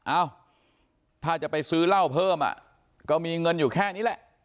เอ้าถ้าจะไปซื้อเหล้าเพิ่มอ่ะก็มีเงินอยู่แค่นี้แหละ